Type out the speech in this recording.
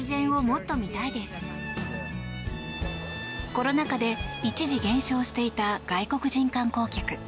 コロナ禍で一時減少していた外国人観光客。